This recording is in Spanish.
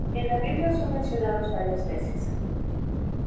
En la Biblia son mencionados varias veces.